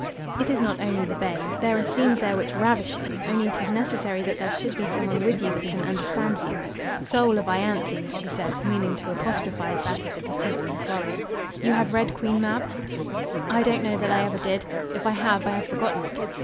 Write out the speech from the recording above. "It is not only the bay. There are scenes there which ravish you, only it is necessary that there should be some one with you that can understand you. 'Soul of Ianthe!'" she said, meaning to apostrophise that of the deceased Sir Florian. "You have read 'Queen Mab'?" "I don't know that I ever did. If I have, I have forgotten it."